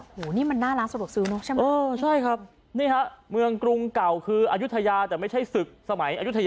โหนี่มันน่ารักสะดวกซึงเนอะใช่ไหม